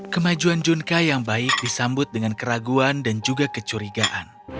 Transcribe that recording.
kemajuan junka yang baik disambut dengan keraguan dan juga kecurigaan